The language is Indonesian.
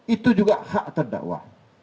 itu juga hak terdakwa